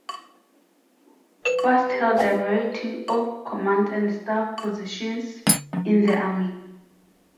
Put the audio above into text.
Fast held a variety of command and staff positions in the Army.